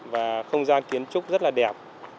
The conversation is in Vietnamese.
và không gian kiến trúc rất là đẹp